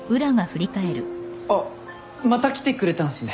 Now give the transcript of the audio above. あっまた来てくれたんすね。